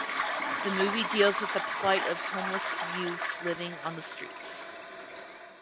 The movie deals with the plight of homeless youth living on the streets.